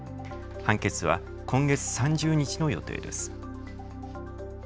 判決は今月３０日の予定です。